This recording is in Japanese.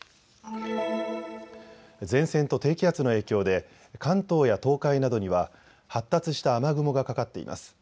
前線と低気圧の影響で関東や東海などには発達した雨雲がかかっています。